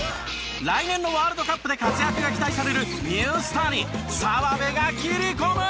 来年のワールドカップで活躍が期待されるニュースターに澤部が切り込む！